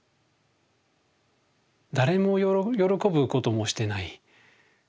誰も喜ぶこともしてない。